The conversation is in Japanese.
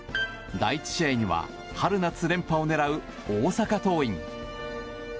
第１試合には春夏連覇を狙う大阪桐蔭。